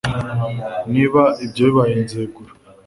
Niba ibyo bibaye nzegura